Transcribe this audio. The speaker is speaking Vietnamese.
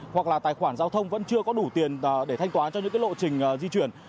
hoặc là tài khoản giao thông vẫn chưa có đủ tiền để thanh toán cho những lộ trình di chuyển